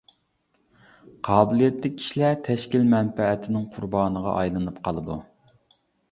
قابىلىيەتلىك كىشىلەر تەشكىل مەنپەئەتىنىڭ قۇربانىغا ئايلىنىپ قالىدۇ.